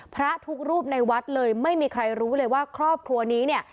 พระทุกรูปในวัดเลยไม่มีใครรู้เลยว่าครอบครัวนี้เนี่ย